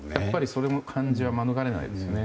その感じは免れないですよね。